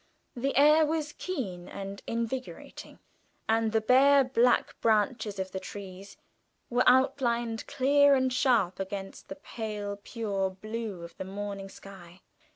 The air was keen and invigorating, and the bare black branches of the trees were outlined clear and sharp against the pale pure blue of the morning sky.